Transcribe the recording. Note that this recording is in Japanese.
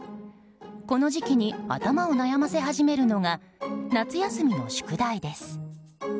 この時期に頭を悩ませ始めるのが夏休みの宿題です。